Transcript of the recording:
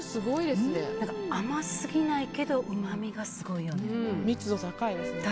甘すぎないけどうまみがすごいよね。